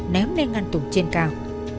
ném lên ngăn tủ trên cào